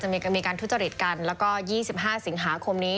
จะมีการมีการทุจริตกันแล้วก็ยี่สิบห้าสิงหาคมนี้